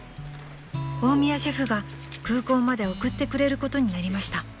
［大宮シェフが空港まで送ってくれることになりました］